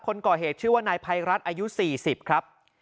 คนก่อเหตุชื่อว่านายภัยรัฐอายุ๔๐ครับ